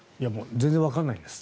全然わからないんです。